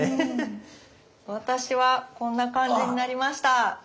私はこんな感じになりました。